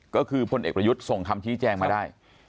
ก็คือพลเอกประยุทธ์ส่งคำชี้แจงมาได้